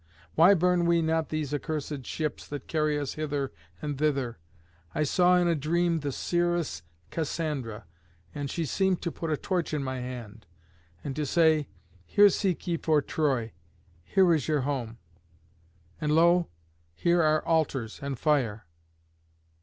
Why burn we not these accursed ships that carry us hither and thither. I saw in a dream the seeress Cassandra, and she seemed to put a torch in my hand, and to say, 'Here seek ye for Troy: here is your home.' And lo! here are altars and fire."